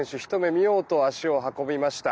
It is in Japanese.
見ようと足を運びました。